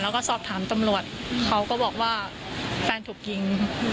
แล้วก็สอบถามตำรวจเขาก็บอกว่าแฟนถูกยิง